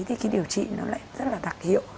thì cái điều trị nó lại rất là đặc hiệu